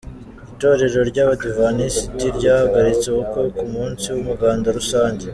Itorero ry’abadivantisiti ryahagaritse ubukwe ku munsi w’umuganda rusange